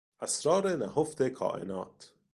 اسرار نهفت کائنات